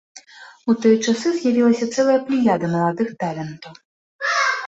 У тыя часы з'явілася цэлая плеяда маладых талентаў.